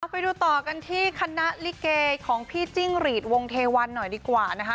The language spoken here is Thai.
ไปดูต่อกันที่คณะลิเกของพี่จิ้งหรีดวงเทวันหน่อยดีกว่านะคะ